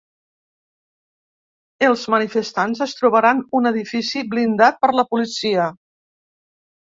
Els manifestants es trobaran un edifici blindat per la policia.